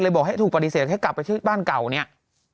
บอกให้ถูกปฏิเสธให้กลับไปที่บ้านเก่าเนี่ย